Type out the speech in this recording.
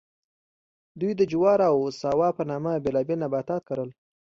دوی د جورا او کاساوا په نامه بېلابېل نباتات کرل.